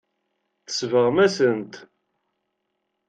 Tsebɣem-asen-t.